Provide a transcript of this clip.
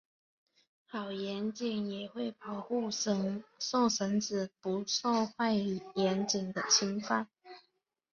好员警也会保护受审者不受坏员警的侵犯。